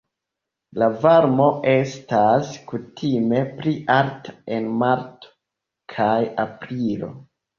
La varmo estas kutime pli alta en marto kaj aprilo.